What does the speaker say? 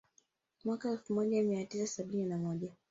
Mwaka elfumoja miatisa sabini na moja